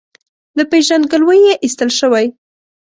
له پېژندګلوۍ یې ایستل شوی.